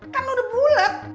kan lo udah bulet